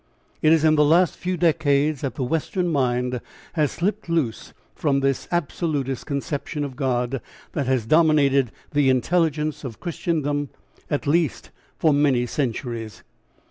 It is in the last few decades that the western mind has slipped loose from this absolutist conception of God that has dominated the intelligence of Christendom at least, for many centuries.